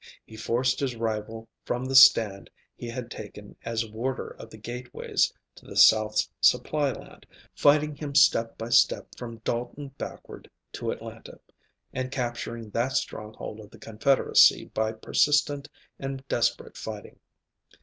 He forced his rival from the stand he had taken as warder of the gateways to the South's supply land, fighting him step by step from Dalton backward to Atlanta, and capturing that stronghold of the Confederacy by persistent and desperate fighting.